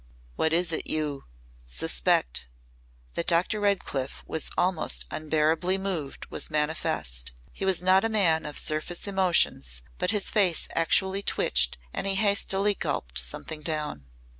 "What is it you suspect?" That Dr. Redcliff was almost unbearably moved was manifest. He was not a man of surface emotions but his face actually twitched and he hastily gulped something down.